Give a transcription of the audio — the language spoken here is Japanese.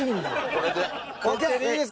これで。